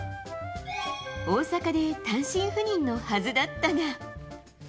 大阪で単身赴任のはずだったが。